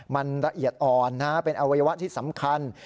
มันละเอียดอ่อนเป็นอวัยวะที่สำคัญ